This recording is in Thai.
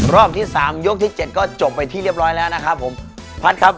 รอบที่๓ยกที่๗ก็จบไปที่เรียบร้อยแล้วนะครับผม